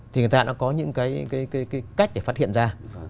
thì người ta đã có những cái cách để phát hiện ra